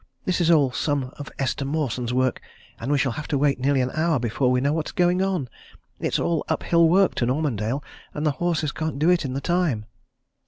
This is all some of Esther Mawson's work! And we shall have to wait nearly an hour before we know what is going on! it's all uphill work to Normandale, and the horses can't do it in the time."